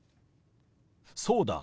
そうだ。